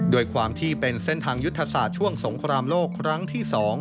ด้วยความที่เป็นเส้นทางยุทธศาสตร์ช่วงสงครามโลกครั้งที่๒